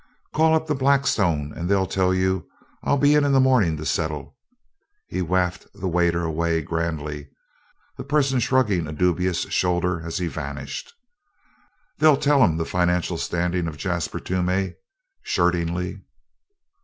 "Call up the Blackstone and they'll tell you I'll be in to morra an' shettle." He wafted the waiter away grandly, that person shrugging a dubious shoulder as he vanished. "They'll tell 'im the f'ancial standin' of Jasper Toomey shirtingly."